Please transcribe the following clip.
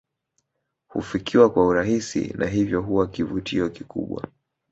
Hufikiwa kwa urahisi na hivyo huwa kivutio kikubwa